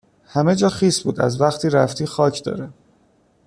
همه جا خیس بود. از وقتی رفتی خاک داره